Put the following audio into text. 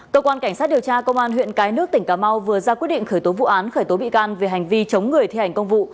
cơ quan cảnh sát điều tra công an huyện cái nước tỉnh cà mau vừa ra quyết định khởi tố vụ án khởi tố bị can về hành vi chống người thi hành công vụ